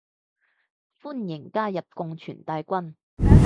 歡迎加入共存大軍